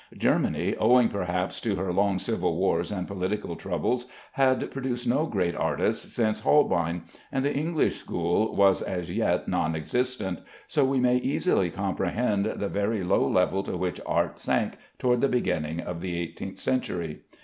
Germany, owing perhaps to her long civil wars and political troubles, had produced no great artist since Holbein, and the English school was as yet non existent, so we may easily comprehend the very low level to which art sank toward the beginning of the eighteenth century.